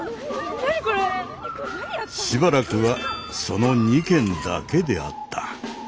しばらくはその２件だけであった。